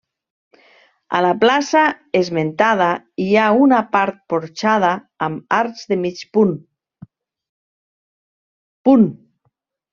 A la plaça esmentada hi ha una part porxada amb arcs de mig punt.